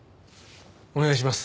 お願いします。